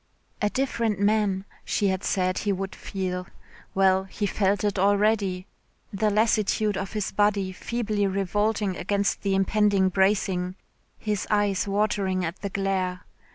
"A different man," she had said he would feel. Well he felt it already the lassitude of his body feebly revolting against the impending bracing, his eyes watering at the glare.